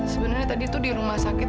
sebenernya tadi tuh di rumah sakit